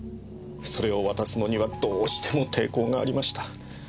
それを渡すのにはどうしても抵抗がありました。